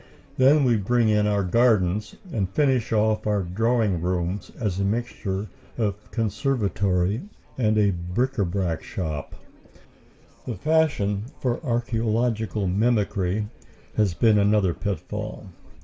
Then we bring in our gardens, and finish off our drawing room as a mixture of a conservatory and a bric à brac shop. The fashion for archæological mimicry has been another pitfall.